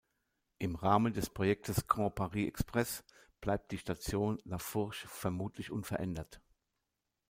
Im Rahmen des Projektes Grand Paris Express bleibt die Station "La Fourche" vermutlich unverändert.